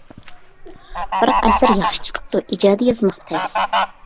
بىراق ئەسەر ياخشى چىقىپتۇ، ئىجادى يازماق تەس.